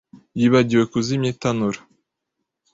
yibagiwe kuzimya itanura.